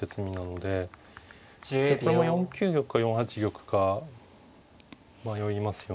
でこれも４九玉か４八玉か迷いますよね。